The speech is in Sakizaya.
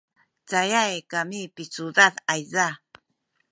cayay kami picudad ayza